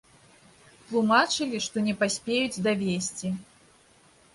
Тлумачылі, што не паспеюць давесці.